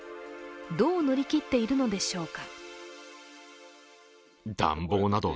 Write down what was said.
どう乗り切っているのでしょうか。